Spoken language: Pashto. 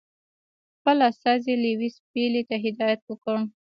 خپل استازي لیویس پیلي ته هدایت ورکړ.